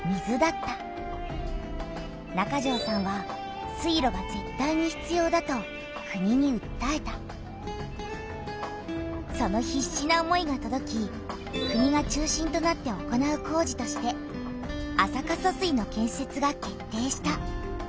中條さんは水路がぜったいにひつようだとそのひっしな思いがとどき国が中心となって行う工事として安積疏水の建設が決定した。